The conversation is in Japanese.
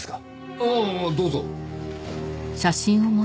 ああどうぞ。